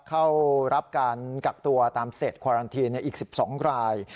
เข้ารับการกักตัวตามเศษควารันทีเนี่ยอีกสิบสองราย